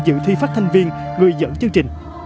dự thi phát hành viên người dẫn chương trình